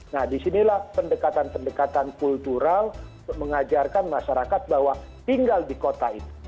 nah disinilah pendekatan pendekatan kultural mengajarkan masyarakat bahwa tinggal di kota itu